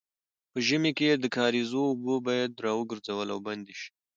په ژمي کې د کاریزو اوبه باید راوګرځول او بندې شي.